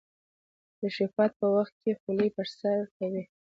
د تشریفاتو په وخت کې خولۍ پر سر کوي.